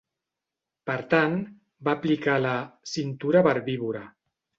Per tant, va aplicar la "cintura verbívora".